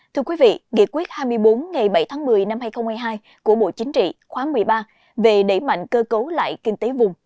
thưa quý vị nghị quyết hai mươi bốn ngày bảy tháng một mươi năm hai nghìn hai mươi hai của bộ chính trị khóa một mươi ba về đẩy mạnh cơ cấu lại kinh tế vùng